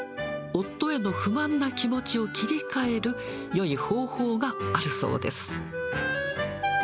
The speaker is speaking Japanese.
夫への不満な気持ちを切り替える、よい方法があるそうです。